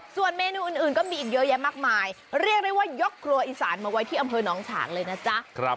ส่วนเมนูอื่นก็มีอีกเยอะแยะมากมายเรียกได้ว่ายกครัวอีสานมาไว้ที่อำเภอน้องฉางเลยนะจ๊ะ